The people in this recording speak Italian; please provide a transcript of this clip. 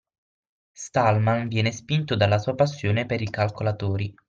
Stallman viene spinto dalla sua passione per i calcolatori.